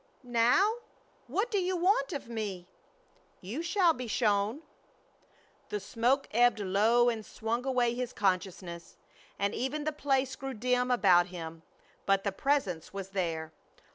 "Now? What do you want of me?" "You shall be shown." The smoke ebbed low and swung away his consciousness, and even the place grew dim about him, but the Presence was there.